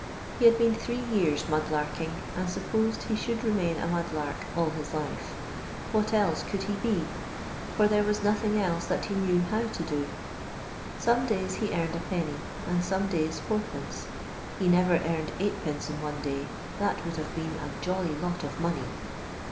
He had been three years mud larking, and supposed he should remain a mud lark all his life. What else could ho be 1 for there was nothing else that he knew koto to do. Some days he earned let., and some days id. \ he never earned 8(2. in one day, that would have been a "jolly lot of money."